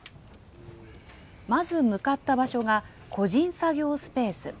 まず向かった場所が個人作業スペース。